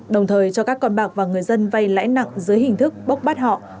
đồng thời cho các con bạc và người dân vay lãi nặng dưới hình thức bốc bắt họ